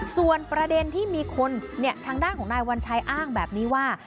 ส่วนประเด็นที่มีคนทางด้านของนายวัญชัยอ้างแบบนี้ว่า